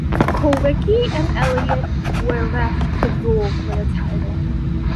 Kulwicki and Elliott were left to duel for the title.